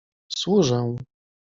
służę.